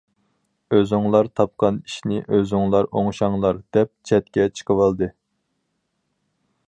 ئۆزۈڭلار تاپقان ئىشنى ئۆزۈڭلار ئوڭشاڭلار، دەپ چەتكە چىقىۋالدى.